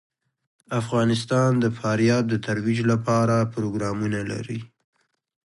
افغانستان د فاریاب د ترویج لپاره پروګرامونه لري.